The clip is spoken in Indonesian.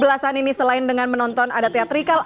tujuh belas an ini selain dengan menonton ada teatrikal